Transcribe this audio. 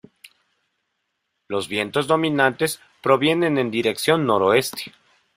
Los vientos dominantes provienen en dirección noroeste.